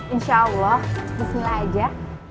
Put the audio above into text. insya allah bismillah aja